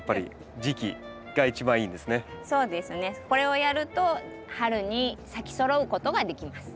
これをやると春に咲きそろうことができます。